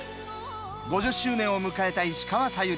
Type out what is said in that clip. ５０周年を迎えた石川さゆり。